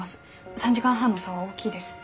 ３時間半の差は大きいです。